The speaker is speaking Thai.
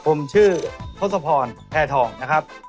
ผมชื่อทศพรแพทองนะครับ